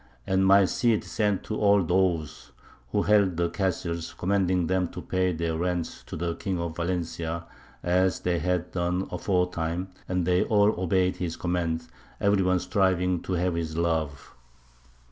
And my Cid sent to all those who held the castles, commanding them to pay their rents to the King of Valencia as they had done aforetime, and they all obeyed his command, every one striving to have his love."